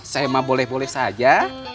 saya emang boleh boleh saja